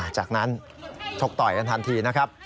จากนั้นชกต่อยกันทันทีนะครับ